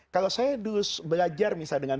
kalau saya dulu belajar misalnya dengan